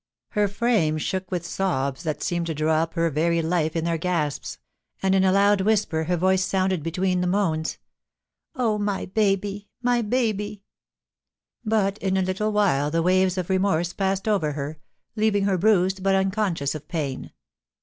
Her frame shook with sobs that seemed to draw up her very life in their gasps, and in a loud whisper, her voice sounded between the moans :* Oh ! my baby ... my baby. ...' But in a litde while the waves of remorse passed over her, leaving her bruised but unconscious of pain.